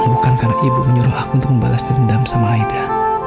bukan karena ibu menyuruh aku untuk membalas dendam sama aida